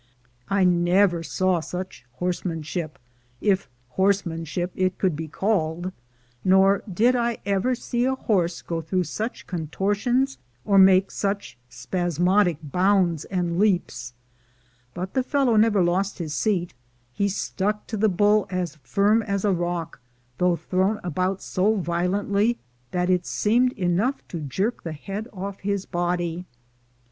I never saw such horsemanship, if horsemanship it could be called ; nor did I ever see a horse go through such contortions, or make such spasmodic bounds and leaps: but the fellow never lost his seat, he stuck to the bull as firm as a rock, though thrown about so violently that it seemed enough to jerk the head off his body.